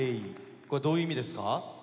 これどういう意味ですか？